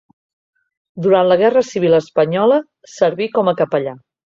Durant la Guerra Civil espanyola, serví com a capellà.